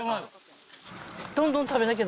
どんどん食べなきゃ。